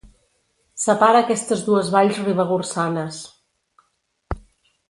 Separa aquestes dues valls ribagorçanes.